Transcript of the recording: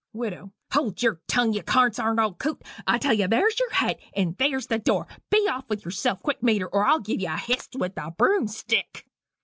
WIDOW. "Hold yer tongue you consarned old coot you. I tell ye there's your hat, and there's the door be off with yerself, quick metre, or I'll give ye a hyst with the broomstick."